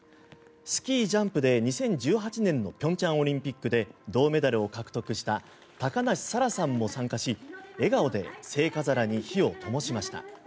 スキージャンプで２０１８年の平昌オリンピックで銅メダルを獲得した高梨沙羅さんも参加し笑顔で聖火皿に灯をともしました。